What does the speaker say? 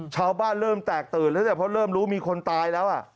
ชาวบ้านเริ่มแตกตื่นแล้วแต่เพราะเริ่มรู้มีคนตายแล้ว